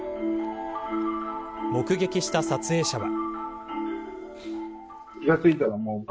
目撃した撮影者は。